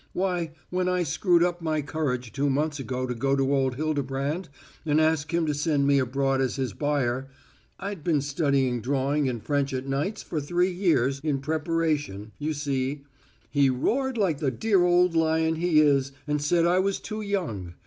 Why, when I screwed up my courage two months ago to go to old Hildebrand and ask him to send me abroad as his buyer I'd been studying drawing and French at nights for three years in preparation, you see he roared like the dear old lion he is and said I was too young.